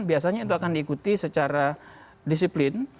biasanya itu akan diikuti secara disiplin